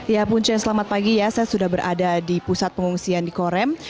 ya punca selamat pagi ya saya sudah berada di pusat pengungsian di korem